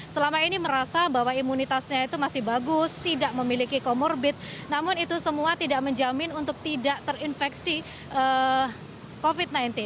selama ini merasa bahwa imunitasnya itu masih bagus tidak memiliki komorbid namun itu semua tidak menjamin untuk tidak terinfeksi covid sembilan belas